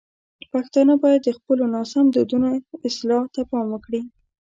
پښتانه باید د خپلو ناسم دودونو اصلاح ته پام وکړي.